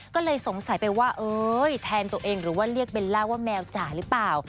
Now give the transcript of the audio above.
ก็เลยสงสัยไปว่าเอ้ยแทนตัวเองหรือว่าเรียกเบลล่าว่าแมวจ๋าหรือเปล่า